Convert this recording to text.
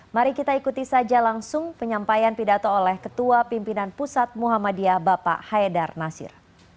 mari kita ikuti saja langsung penyampaian pidato oleh ketua pimpinan pusat muhammadiyah bapak haidar nasir